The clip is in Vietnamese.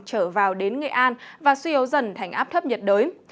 trở vào đến nghệ an và suy yếu dần thành áp thấp nhiệt đới